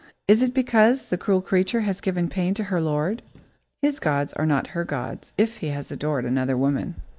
Is it because the cruel creature has given pain to her lord? His gods are not her gods if he has adored another woman.